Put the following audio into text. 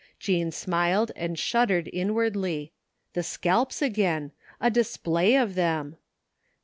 Jean smiled and shuddered inwardly. The scalps again ! A display of them